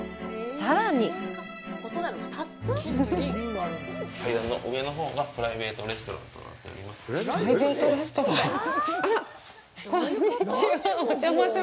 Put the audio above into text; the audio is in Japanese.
さらに階段の上のほうがプライベートレストランとなっております。